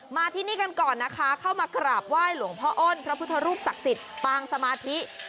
มาที่นี่กันก่อนนะคะเข้ามากราบไหว้หลวงพ่ออ้นพระพุทธรูปศักดิ์สิทธิ์ปางสมาธิ